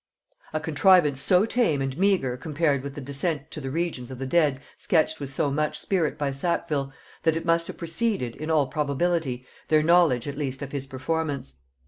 A contrivance so tame and meagre compared with the descent to the regions of the dead sketched with so much spirit by Sackville, that it must have preceded, in all probability, their knowledge at least of his performance.